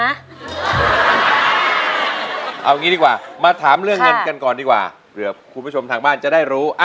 เอาอย่างนี้ดีกว่ามาถามเรื่องเงินกันก่อนดีกว่าเผื่อคุณผู้ชมทางบ้านจะได้รู้